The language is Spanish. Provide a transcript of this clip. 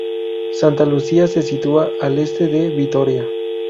Santa Lucía se sitúa al este de Vitoria.